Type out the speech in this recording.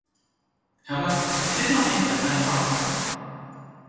However, he did not make the final roster.